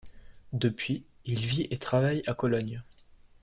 Depuis, il vit et travaille à Cologne.